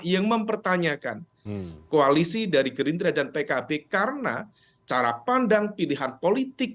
yang mempertanyakan koalisi dari gerindra dan pkb karena cara pandang pilihan politik